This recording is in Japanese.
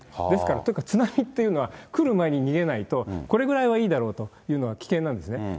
ですから、津波っていうのは来る前に逃げないと、これぐらいはいいだろうというのは危険なんですね。